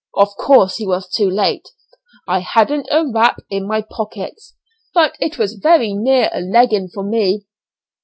Of course he was too late. I hadn't a rap in my pockets, but it was very near a 'legging' for me.